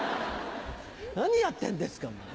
何やってんですかもう。